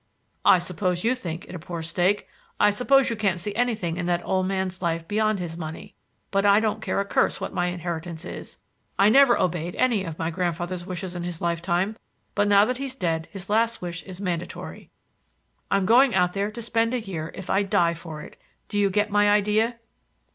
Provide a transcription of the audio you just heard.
"I suppose you think it a poor stake! I suppose you can't see anything in that old man's life beyond his money; but I don't care a curse what my inheritance is! I never obeyed any of my grandfather's wishes in his lifetime, but now that he's dead his last wish is mandatory. I'm going out there to spend a year if I die for it. Do you get my idea?"